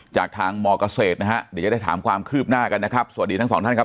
จากทางมเกษตรนะฮะเดี๋ยวจะได้ถามความคืบหน้ากันนะครับสวัสดีทั้งสองท่านครับ